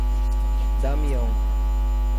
Damião